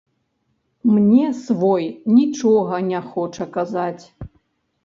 Мне свой нічога не хоча казаць.